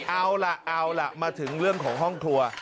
เอาล่ะเอาล่ะมาถึงเรื่องของห้องครัว